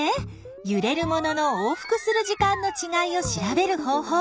ゆれるものの往復する時間のちがいを調べる方法。